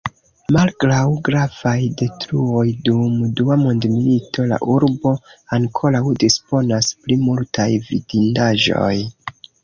Malgraŭ gravaj detruoj dum Dua Mondmilito la urbo ankoraŭ disponas pri multaj vidindaĵoj.